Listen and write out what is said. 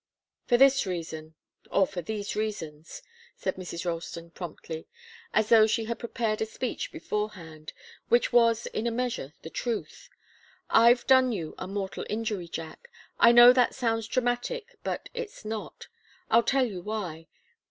"For this reason or for these reasons," said Mrs. Ralston, promptly, as though she had prepared a speech beforehand, which was, in a measure, the truth. "I've done you a mortal injury, Jack. I know that sounds dramatic, but it's not. I'll tell you why.